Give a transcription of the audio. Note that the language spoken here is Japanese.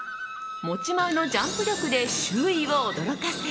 持ち前のジャンプ力で周囲を驚かせ。